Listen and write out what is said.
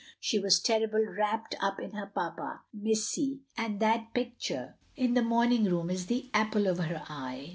She was terrible wrapt up in her papa, missy, and that picture in the morning room is the apple of her eye.